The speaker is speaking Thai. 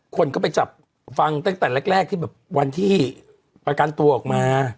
คนก็ไปจับฟังตั้งแต่แรกที่แบบวันที่ประกันตัวออกมา